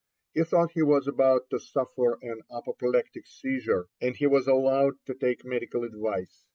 He thought he was about to suffer an apoplectic seizure, and he was allowed to take medical advice.